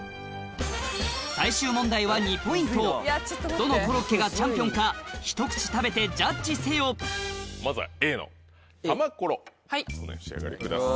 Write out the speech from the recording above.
どのコロッケがチャンピオンかひと口食べてジャッジせよまずはＡのたまコロお召し上がりください。